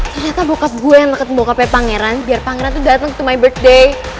ternyata bokap gue yang deket bokapnya pangeran biar pangeran tuh dateng ke my birthday